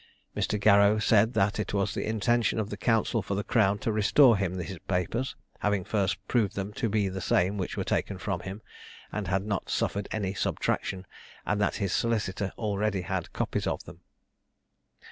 Mr. Garrow said, that it was the intention of the counsel for the crown to restore him his papers, having first proved them to be the same which were taken from him, and had not suffered any subtraction; and that his solicitor already had copies of them.